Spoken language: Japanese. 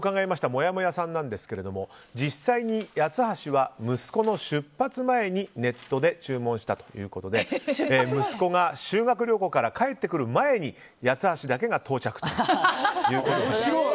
もやもやさんですけど実際に八ツ橋は息子の出発前にネットで注文したということで息子が修学旅行から帰ってくる前に八ツ橋だけが到着ということです。